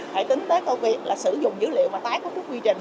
thì có thể tính tới câu việc là sử dụng dữ liệu mà tái cốt chức quy trình